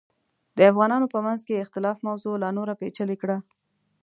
د افغانانو په منځ کې اختلاف موضوع لا نوره پیچلې کړه.